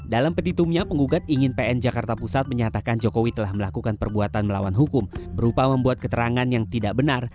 dalam petitumnya penggugat ingin pn jakarta pusat menyatakan jokowi telah melakukan perbuatan melawan hukum berupa membuat keterangan yang tidak benar